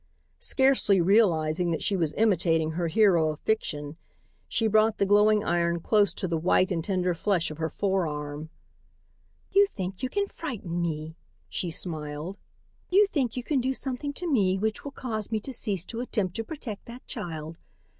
Scarcely realizing that she was imitating her hero of fiction, she brought the glowing iron close to the white and tender flesh of her forearm. "You think you can frighten me," she smiled. "You think you can do something to me which will cause me to cease to attempt to protect that child.